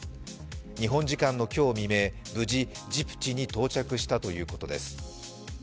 日本時間の今日未明、無事、ジブチに到着したということです。